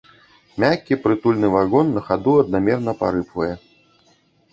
Мяккі прытульны вагон на хаду аднамерна парыпвае.